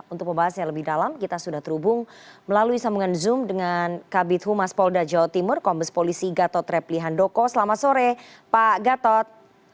untuk pembahasannya lebih dalam kita sudah terhubung melalui sambungan zoom dengan kabit humas polda jawa timur kombes polisi gatot repli handoko selamat sore pak gatot